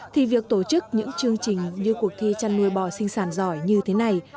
thì việc tổ chức những chương trình như cuộc thi chăn nuôi bò sinh sản giỏi như thế này